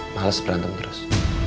males berantem terus